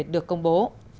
được công bố